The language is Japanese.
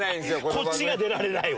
こっちが出られないわ！